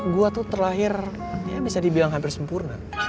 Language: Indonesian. gue tuh terlahir ya bisa dibilang hampir sempurna